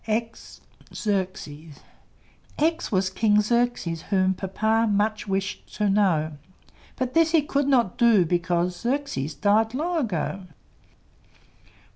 X X was King Xerxes, whom Papa much wished to know; But this he could not do, because Xerxes died long ago.